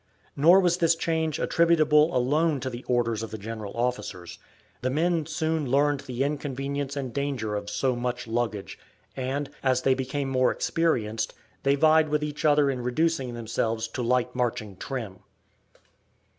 Nor was this change attributable alone to the orders of the general officers. The men soon learned the inconvenience and danger of so much luggage, and, as they became more experienced, they vied with each other in reducing themselves to light marching trim.